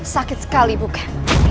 sakit sekali bukan